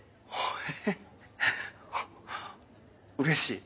えっうれしい。